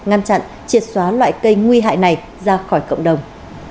ngăn chặn triệt xóa loại cây nguy hại này ra khỏi cộng đồng